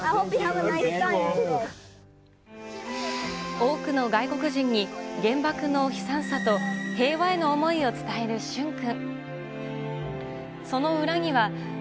多くの外国人に原爆の悲惨さと平和への思いを伝える駿君。